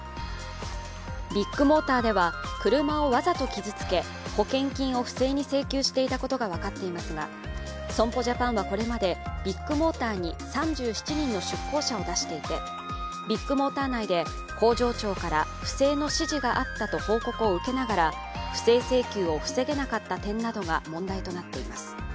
ビッグモーターでは、車をわざと傷つけ保険金を不正に請求していたことが分かっていますが、損保ジャパンはこれまでビッグモーターに３７人の出向者を出していてビッグモーター内で工場長から不正の指示があったと報告を受けながら不正請求を防げなかった点などが問題となっています。